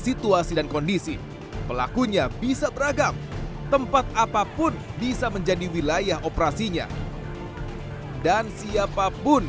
situasi dan kondisi pelakunya bisa beragam tempat apapun bisa menjadi wilayah operasinya dan siapapun